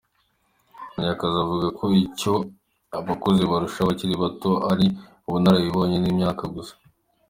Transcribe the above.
Munyakazi avuga ko icyo abakuze barusha abakiri bato ari ubunararibonye n’ imyaka gusa.